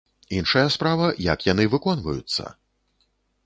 Іншая справа, як яны выконваюцца?